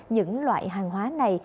những loại hàng hóa này